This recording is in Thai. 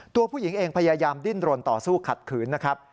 ตัวผู้หญิงเองพยายามดิ้นรนต่อสู้ขัดขืนนะครับ